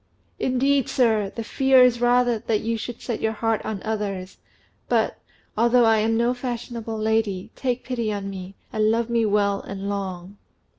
"Indeed, sir, the fear is rather that you should set your heart on others; but, although I am no fashionable lady, take pity on me, and love me well and long."